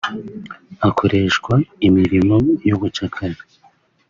abakoreshwa imirimo y’ubucakara